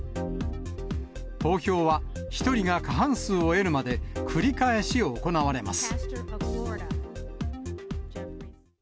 投票は１人が過半数を得るまで繰り返し行われます。